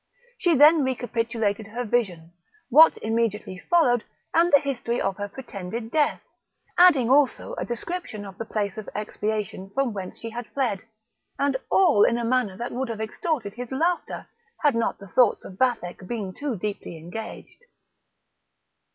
She then recapitulated her vision, what immediately followed, and the history of her pretended death, adding also a description of the place of expiation from whence she had fled, and all in a manner that would have extorted his laughter, had not the thoughts of Vathek been too deeply engaged.